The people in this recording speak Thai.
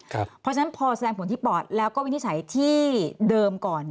เพราะฉะนั้นพอแสดงผลที่ปอดแล้วก็วินิจฉัยที่เดิมก่อน